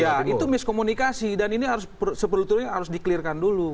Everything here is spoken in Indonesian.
ya itu miskomunikasi dan ini harus sebetulnya harus di clear kan dulu